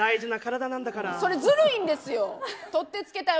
ずるいんですよ。